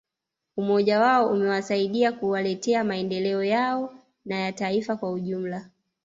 Umoja wao umewasaidia kuwaletea maendeleo yao na ya taifa kwa ujumla